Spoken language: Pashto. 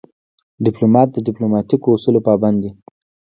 ډيپلومات د ډیپلوماتیکو اصولو پابند وي.